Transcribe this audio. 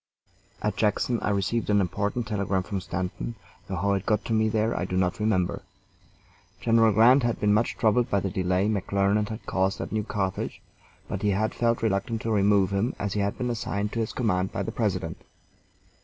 At Jackson I received an important telegram from Stanton, though how it got to me there I do not remember. General Grant had been much troubled by the delay McClernand had caused at New Carthage, but he had felt reluctant to remove him as he had been assigned to his command by the President.